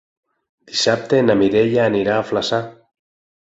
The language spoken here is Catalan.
Dissabte na Mireia anirà a Flaçà.